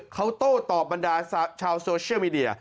เขาโต้ตอบบรรดาชาวโซเชียลมีเดีย